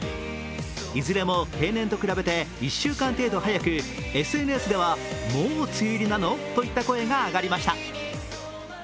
いずれも平年と比べて１週間程度早く、ＳＮＳではもう梅雨入りなのといった声が上がりました。